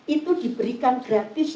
itu diberikan gratis